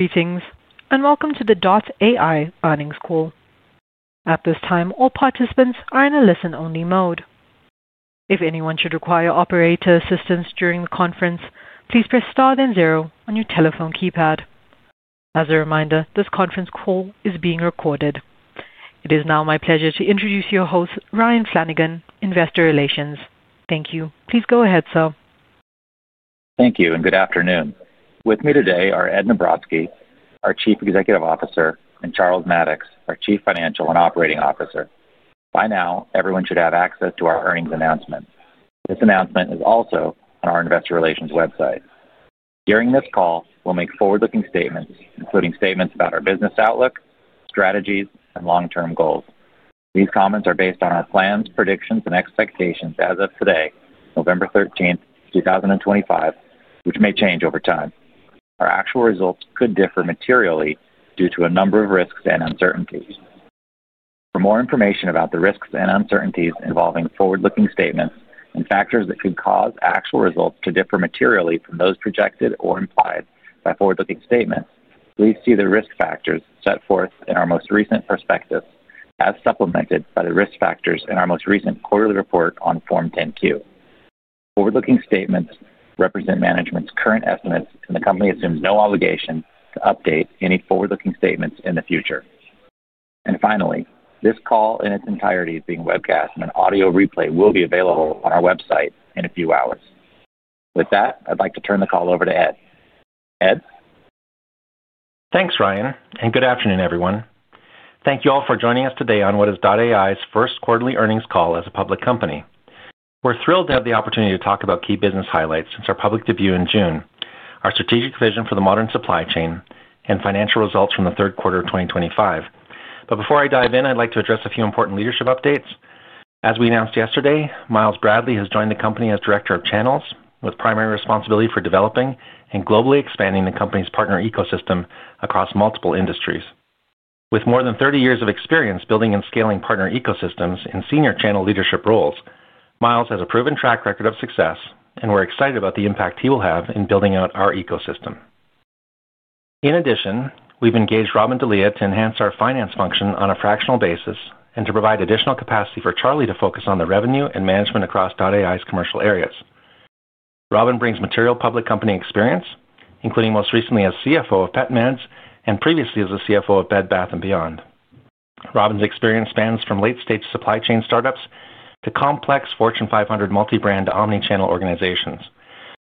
Greetings and welcome to the Dart AI earnings call. At this time, all participants are in a listen-only mode. If anyone should require operator assistance during the conference, please press star then zero on your telephone keypad. As a reminder, this conference call is being recorded. It is now my pleasure to introduce your host, Ryan Flanagan, Investor Relations. Thank you. Please go ahead, sir. Thank you and good afternoon. With me today are Ed Nebrotsky, our Chief Executive Officer, and Charles Maddox, our Chief Financial and Operating Officer. By now, everyone should have access to our earnings announcement. This announcement is also on our Investor Relations website. During this call, we'll make forward-looking statements, including statements about our business outlook, strategies, and long-term goals. These comments are based on our plans, predictions, and expectations as of today, November 13th, 2025, which may change over time. Our actual results could differ materially due to a number of risks and uncertainties. For more information about the risks and uncertainties involving forward-looking statements and factors that could cause actual results to differ materially from those projected or implied by forward-looking statements, please see the risk factors set forth in our most recent prospectus as supplemented by the risk factors in our most recent quarterly report on Form 10-Q. Forward-looking statements represent management's current estimates, and the company assumes no obligation to update any forward-looking statements in the future. Finally, this call in its entirety is being webcast, and an audio replay will be available on our website in a few hours. With that, I'd like to turn the call over to Ed. Ed? Thanks, Ryan, and good afternoon, everyone. Thank you all for joining us today on what is Dart AI's first quarterly earnings call as a public company. We are thrilled to have the opportunity to talk about key business highlights since our public debut in June, our strategic vision for the modern supply chain, and financial results from the third quarter of 2025. Before I dive in, I would like to address a few important leadership updates. As we announced yesterday, Miles Bradley has joined the company as Director of Channels, with primary responsibility for developing and globally expanding the company's partner ecosystem across multiple industries. With more than 30 years of experience building and scaling partner ecosystems in senior channel leadership roles, Miles has a proven track record of success, and we are excited about the impact he will have in building out our ecosystem. In addition, we've engaged Robin DeLia to enhance our finance function on a fractional basis and to provide additional capacity for Charlie to focus on the revenue and management across Dart AI's commercial areas. Robin brings material public company experience, including most recently as CFO of PetMeds and previously as CFO of Bed Bath & Beyond. Robin's experience spans from late-stage supply chain startups to complex Fortune 500 multi-brand omnichannel organizations.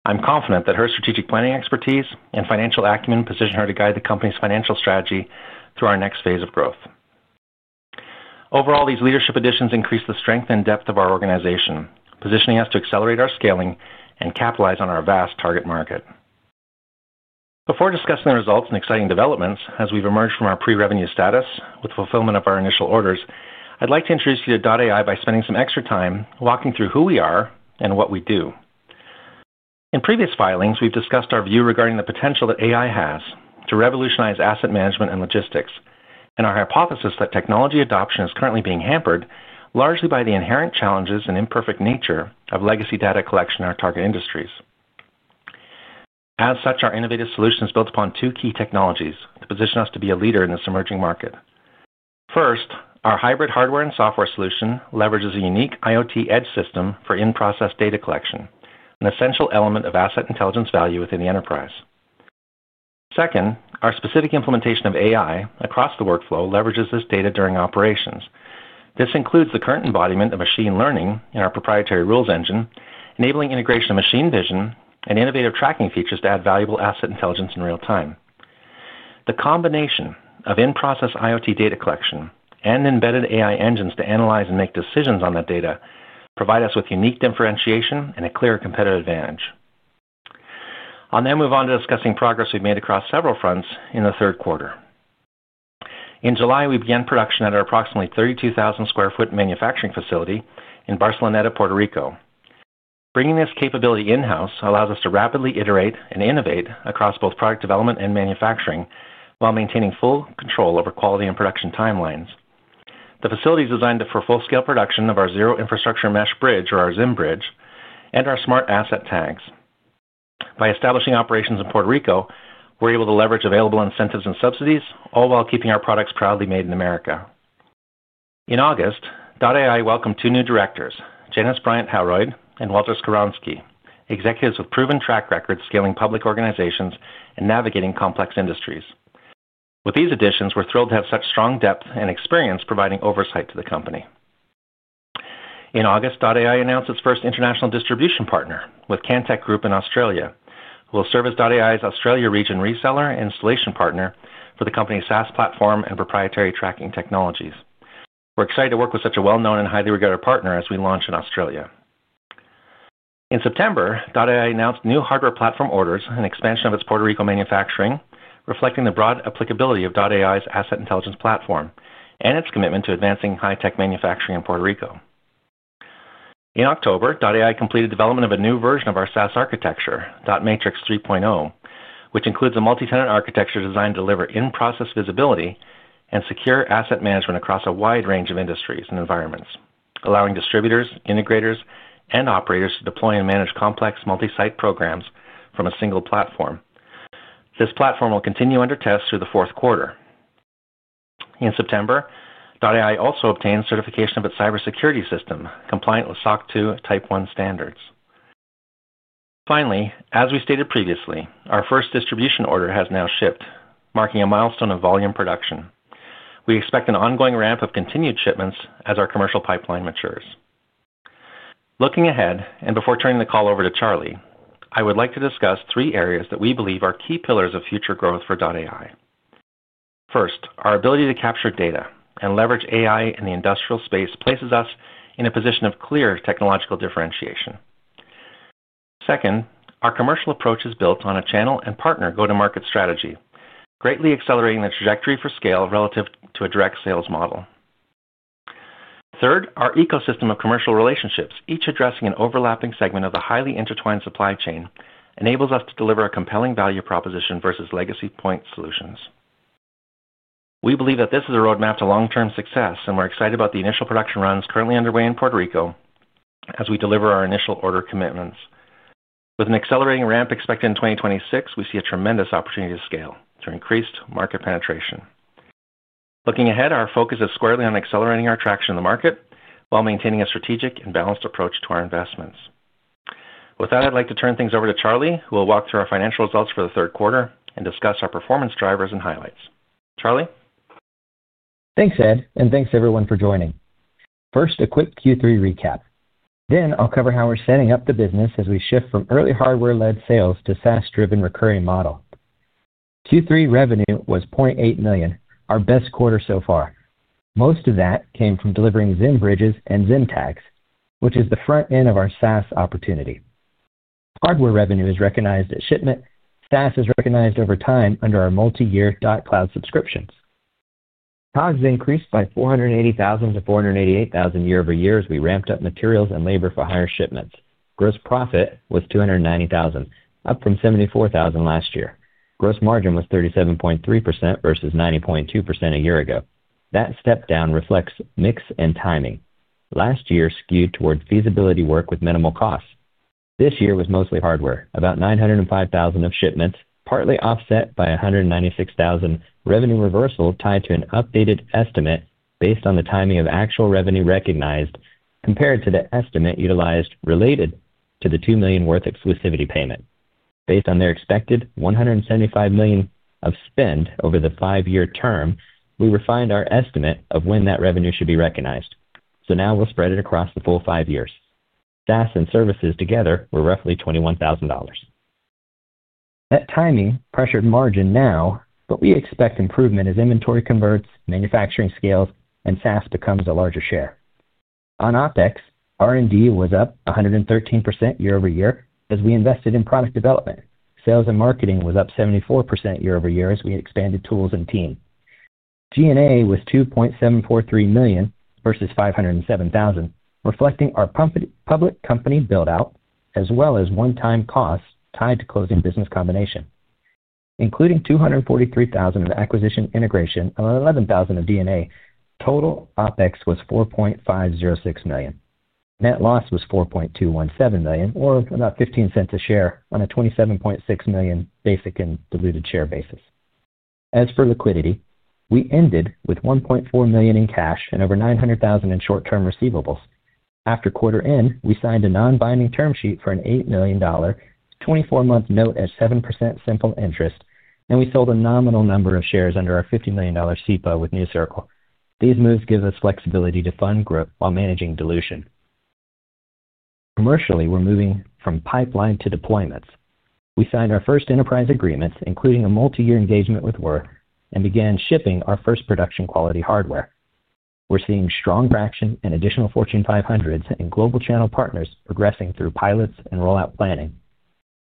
I'm confident that her strategic planning expertise and financial acumen position her to guide the company's financial strategy through our next phase of growth. Overall, these leadership additions increase the strength and depth of our organization, positioning us to accelerate our scaling and capitalize on our vast target market. Before discussing the results and exciting developments, as we've emerged from our pre-revenue status with fulfillment of our initial orders, I'd like to introduce you to Dart AI by spending some extra time walking through who we are and what we do. In previous filings, we've discussed our view regarding the potential that AI has to revolutionize asset management and logistics, and our hypothesis that technology adoption is currently being hampered largely by the inherent challenges and imperfect nature of legacy data collection in our target industries. As such, our innovative solution is built upon two key technologies to position us to be a leader in this emerging market. First, our hybrid hardware and software solution leverages a unique IoT edge system for in-process data collection, an essential element of asset intelligence value within the enterprise. Second, our specific implementation of AI across the workflow leverages this data during operations. This includes the current embodiment of machine learning in our proprietary rules engine, enabling integration of machine vision and innovative tracking features to add valuable asset intelligence in real time. The combination of in-process IoT data collection and embedded AI engines to analyze and make decisions on that data provide us with unique differentiation and a clear competitive advantage. I'll now move on to discussing progress we've made across several fronts in the third quarter. In July, we began production at our approximately 32,000 sq ft manufacturing facility in Barceloneta, Puerto Rico. Bringing this capability in-house allows us to rapidly iterate and innovate across both product development and manufacturing while maintaining full control over quality and production timelines. The facility is designed for full-scale production of our Zero Infrastructure Mesh Bridge, or our ZIM Bridge, and our smart asset tags. By establishing operations in Puerto Rico, we're able to leverage available incentives and subsidies, all while keeping our products proudly made in America. In August, Dart AI welcomed two new directors, Janice Bryant Howroyd and Walter Skowronski, executives with proven track records scaling public organizations and navigating complex industries. With these additions, we're thrilled to have such strong depth and experience providing oversight to the company. In August, Dart AI announced its first international distribution partner with Cantech Group in Australia, who will serve as Dart AI's Australia region reseller and installation partner for the company's SaaS platform and proprietary tracking technologies. We're excited to work with such a well-known and highly regarded partner as we launch in Australia. In September, Dart AI announced new hardware platform orders and expansion of its Puerto Rico manufacturing, reflecting the broad applicability of Dart AI's asset intelligence platform and its commitment to advancing high-tech manufacturing in Puerto Rico. In October, Dart AI completed development of a new version of our SaaS architecture, Dart Matrix 3.0, which includes a multi-tenant architecture designed to deliver in-process visibility and secure asset management across a wide range of industries and environments, allowing distributors, integrators, and operators to deploy and manage complex multi-site programs from a single platform. This platform will continue under test through the fourth quarter. In September, Dart AI also obtained certification of its cybersecurity system, compliant with SOC 2 Type 1 standards. Finally, as we stated previously, our first distribution order has now shipped, marking a milestone of volume production. We expect an ongoing ramp of continued shipments as our commercial pipeline matures. Looking ahead and before turning the call over to Charlie, I would like to discuss three areas that we believe are key pillars of future growth for Dart AI. First, our ability to capture data and leverage AI in the industrial space places us in a position of clear technological differentiation. Second, our commercial approach is built on a channel and partner go-to-market strategy, greatly accelerating the trajectory for scale relative to a direct sales model. Third, our ecosystem of commercial relationships, each addressing an overlapping segment of the highly intertwined supply chain, enables us to deliver a compelling value proposition versus legacy point solutions. We believe that this is a roadmap to long-term success, and we're excited about the initial production runs currently underway in Puerto Rico as we deliver our initial order commitments. With an accelerating ramp expected in 2026, we see a tremendous opportunity to scale through increased market penetration. Looking ahead, our focus is squarely on accelerating our traction in the market while maintaining a strategic and balanced approach to our investments. With that, I'd like to turn things over to Charlie, who will walk through our financial results for the third quarter and discuss our performance drivers and highlights. Charlie? Thanks, Ed, and thanks everyone for joining. First, a quick Q3 recap. Then I'll cover how we're setting up the business as we shift from early hardware-led sales to SaaS-driven recurring model. Q3 revenue was $0.8 million, our best quarter so far. Most of that came from delivering ZIM Bridge and ZIM tags, which is the front end of our SaaS opportunity. Hardware revenue is recognized at shipment. SaaS is recognized over time under our multi-year Dart Cloud subscriptions. Costs increased by $480,000-$488,000 year-over-year as we ramped up materials and labor for higher shipments. Gross profit was $290,000, up from $74,000 last year. Gross margin was 37.3% versus 90.2% a year ago. That step down reflects mix and timing. Last year skewed toward feasibility work with minimal costs. This year was mostly hardware, about $905,000 of shipments, partly offset by $196,000 revenue reversal tied to an updated estimate based on the timing of actual revenue recognized compared to the estimate utilized related to the $2 million worth exclusivity payment. Based on their expected $175 million of spend over the five-year term, we refined our estimate of when that revenue should be recognized. We will spread it across the full five years. SaaS and services together were roughly $21,000. That timing pressured margin now, but we expect improvement as inventory converts, manufacturing scales, and SaaS becomes a larger share. On OpEx, R&D was up 113% year-over-year as we invested in product development. Sales and marketing was up 74% year-over-year as we expanded tools and team. G&A was $2.743 million versus $507,000, reflecting our public company build-out as well as one-time costs tied to closing business combination. Including $243,000 of acquisition integration and $11,000 of D&A, total OpEx was $4.506 million. Net loss was $4.217 million, or about $0.15 a share on a 27.6 million basic and diluted share basis. As for liquidity, we ended with $1.4 million in cash and over $900,000 in short-term receivables. After quarter end, we signed a non-binding term sheet for an $8 million, 24-month note at 7% simple interest, and we sold a nominal number of shares under our $50 million SEPA with New Circle. These moves give us flexibility to fund growth while managing dilution. Commercially, we are moving from pipeline to deployments. We signed our first enterprise agreements, including a multi-year engagement with WRR, and began shipping our first production-quality hardware. We're seeing strong traction and additional Fortune 500s and global channel partners progressing through pilots and rollout planning.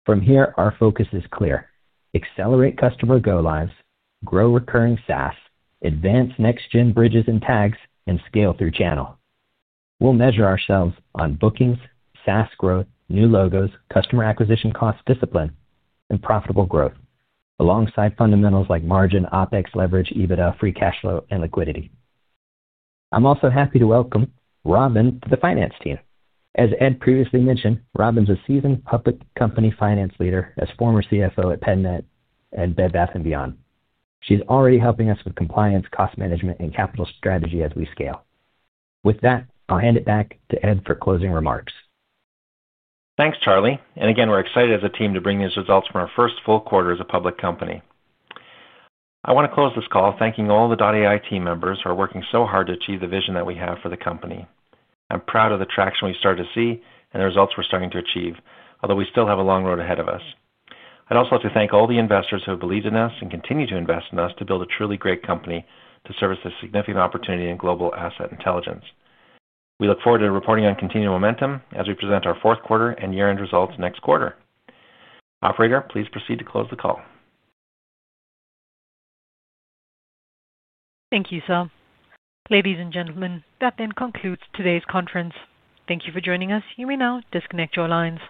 From here, our focus is clear: accelerate customer go-lives, grow recurring SaaS, advance next-gen bridges and tags, and scale through channel. We'll measure ourselves on bookings, SaaS growth, new logos, customer acquisition cost discipline, and profitable growth, alongside fundamentals like margin, OpEx leverage, EBITDA, free cash flow, and liquidity. I'm also happy to welcome Robin to the finance team. As Ed previously mentioned, Robin's a seasoned public company finance leader as former CFO at PetMeds and Bed Bath & Beyond. She's already helping us with compliance, cost management, and capital strategy as we scale. With that, I'll hand it back to Ed for closing remarks. Thanks, Charlie. Again, we're excited as a team to bring these results from our first full quarter as a public company. I want to close this call thanking all the Dart AI team members who are working so hard to achieve the vision that we have for the company. I'm proud of the traction we've started to see and the results we're starting to achieve, although we still have a long road ahead of us. I'd also like to thank all the investors who have believed in us and continue to invest in us to build a truly great company to service this significant opportunity in global asset intelligence. We look forward to reporting on continued momentum as we present our fourth quarter and year-end results next quarter. Operator, please proceed to close the call. Thank you, sir. Ladies and gentlemen, that then concludes today's conference. Thank you for joining us. You may now disconnect your lines.